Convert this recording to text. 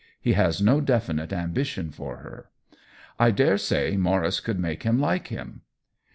He has no definite ambitions for her. I dare say Maurice could make him like him."